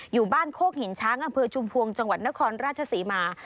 อยู่บ้านโคกหินช้างอำเภอชุมพวงจังหวัดนครราชศรีมา